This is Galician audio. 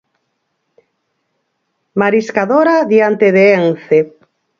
Mariscadora diante de Ence.